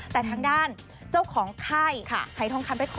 แต่ทางด้านเจ้าของไข้หายทองคำไปขอ